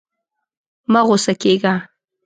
مه غوسه کېږه.